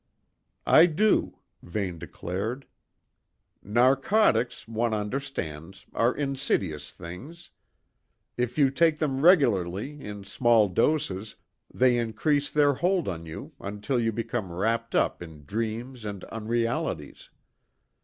"I do," Vane declared, "Narcotics, one understands, are insidious things. If you take them regularly, in small doses, they increase their hold on you, until you become wrapped up in dreams and unrealities.